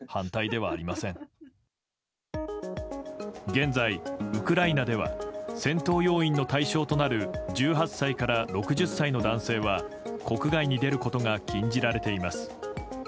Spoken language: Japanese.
現在、ウクライナでは戦闘要員の対象となる１８歳から６０歳の男性は国外に出ることが禁じられています。